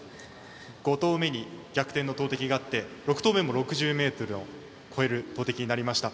５投目に逆転の投てきがあって６投目も６０ｍを超える投てきになりました。